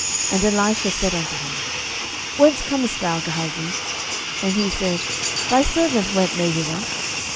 And Elisha said unto him, Whence comest thou, Gehazi? And he said, Thy servant went no whither.